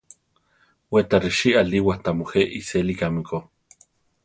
We ta risí ariwa tamujé isélikame ko.